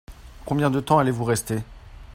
Combien de temps allez-vous rester ?